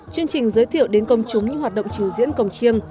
chương trình giới thiệu đến công chúng những hoạt động trình diễn cồng chiêng